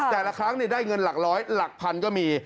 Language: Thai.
แต่ละครั้งได้เงินหลักร้อยหลักพันก็มี